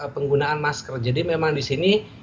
penggunaan masker jadi memang disini